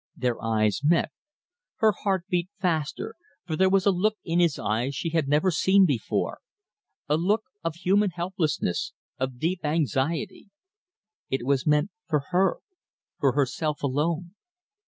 Their eyes met. Her heart beat faster, for there was a look in his eyes she had never seen before a look of human helplessness, of deep anxiety. It was meant for her for herself alone.